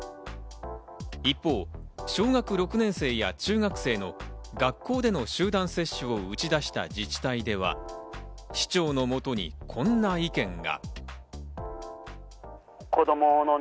一方、小学６年生や中学生の学校での集団接種を打ち出した自治体では、市長のもとにこんな意見が。